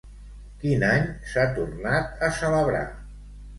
Quin any s'ha tornat a celebrar?